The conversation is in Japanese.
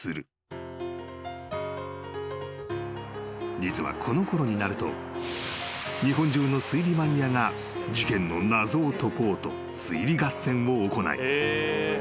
［実はこのころになると日本中の推理マニアが事件の謎を解こうと推理合戦を行い］